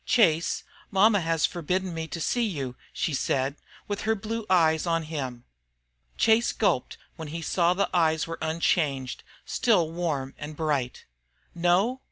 "Chase, mama has forbidden me to see you," she said, with her blue eyes on him. Chase gulped when he saw the eyes were unchanged, still warm and bright. "No?